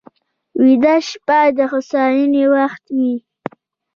ویده شپه د هوساینې وخت وي